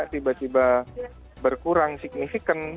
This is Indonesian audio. tiba tiba berkurang signifikan